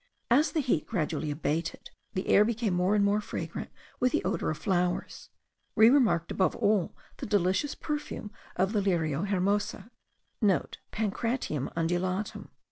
As the heat gradually abated, the air became more and more fragrant with the odour of flowers. We remarked above all the delicious perfume of the Lirio hermoso,* (* Pancratium undulatum.)